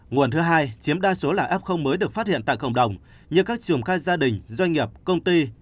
nguồn thứ hai chiếm đa số là f mới được phát hiện tại cộng đồng như các trường khai gia đình doanh nghiệp công ty